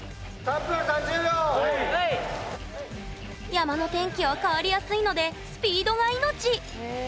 山の天気は変わりやすいのでスピードが命へえ。